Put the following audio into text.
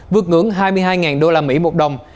vượt ngưỡng hai mươi hai đô la mỹ một đồng